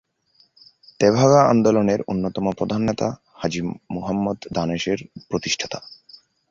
তেভাগা আন্দোলনের অন্যতম প্রধান নেতা হাজি মুহাম্মদ দানেশ এর প্রতিষ্ঠাতা।